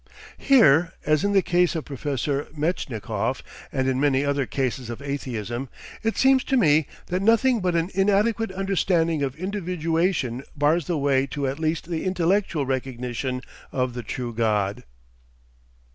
Here, as in the case of Professor Metchnikoff, and in many other cases of atheism, it seems to me that nothing but an inadequate understanding of individuation bars the way to at least the intellectual recognition of the true God.